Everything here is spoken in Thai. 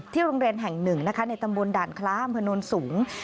ที่โรงเรียนแห่ง๑นะคะในตำบลด่านคล้ามโน้นสูง